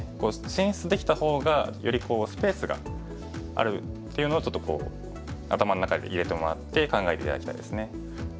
進出できた方がよりスペースがあるっていうのをちょっと頭の中に入れてもらって考えて頂きたいですね。